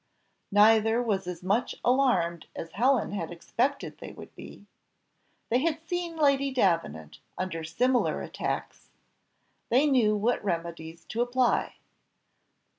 Neither was as much alarmed as Helen had expected they would be. They had seen Lady Davenant, under similar attacks they knew what remedies to apply.